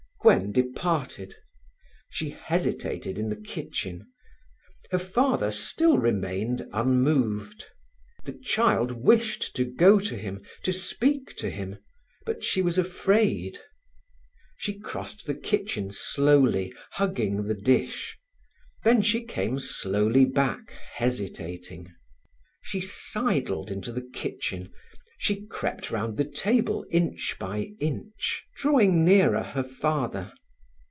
Gwen departed. She hesitated in the kitchen. Her father still remained unmoved. The child wished to go to him, to speak to him, but she was afraid. She crossed the kitchen slowly, hugging the dish; then she came slowly back, hesitating. She sidled into the kitchen; she crept round the table inch by inch, drawing nearer her father.